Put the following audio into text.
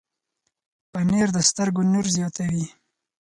پنېر د سترګو نور زیاتوي.